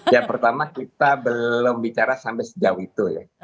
ya pertama kita belum bicara sampai sejauh itu ya